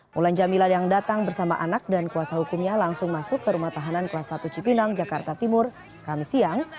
mulan jamila yang datang bersama anak dan kuasa hukumnya langsung masuk ke rumah tahanan kelas satu cipinang jakarta timur kami siang